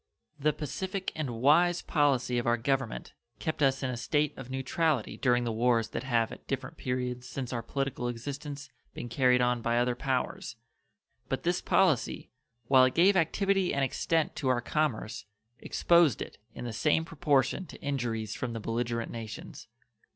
The pacific and wise policy of our Government kept us in a state of neutrality during the wars that have at different periods since our political existence been carried on by other powers; but this policy, while it gave activity and extent to our commerce, exposed it in the same proportion to injuries from the belligerent nations.